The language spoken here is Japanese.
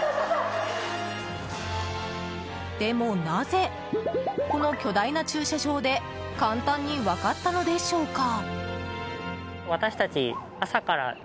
でもなぜ、この巨大な駐車場で簡単に分かったのでしょうか？